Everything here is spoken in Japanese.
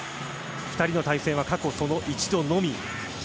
２人の対戦は過去その１度のみ。